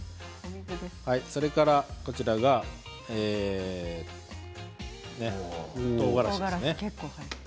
それからこちらがとうがらしです。